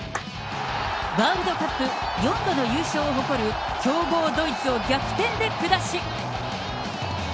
ワールドカップ４度の優勝を誇る強豪ドイツを逆転で下し。